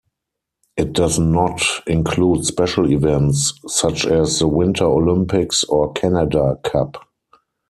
It does not include special events such as the Winter Olympics or Canada Cup.